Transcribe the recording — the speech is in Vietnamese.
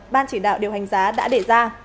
ban chỉ đạo điều hành giá đã để ra